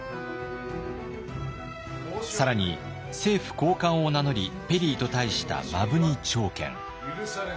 更に政府高官を名乗りペリーと対した摩文仁朝健。